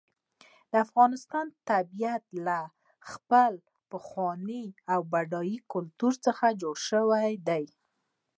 د افغانستان طبیعت له خپل پخواني او بډایه کلتور څخه جوړ شوی دی.